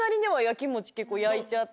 結構焼いちゃって。